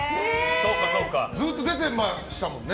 ずっと出てましたもんね。